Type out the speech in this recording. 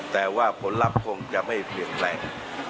แต่ว่าผลลัพธ์คงจะไม่เปลี่ยนแปลง